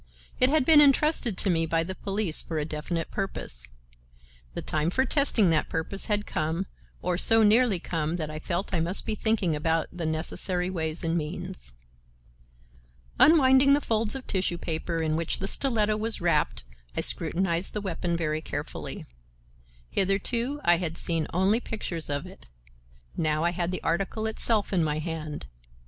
It had been intrusted to me by the police for a definite purpose. The time for testing that purpose had come, or so nearly come, that I felt I must be thinking about the necessary ways and means. Unwinding the folds of tissue paper in which the stiletto was wrapped, I scrutinized the weapon very carefully. Hitherto, I had seen only pictures of it, now, I had the article itself in my hand.